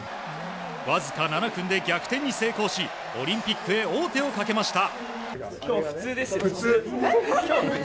わずか７分で逆転に成功しオリンピックへ王手をかけました。